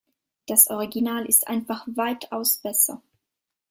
Das Original ist einfach weitaus besser.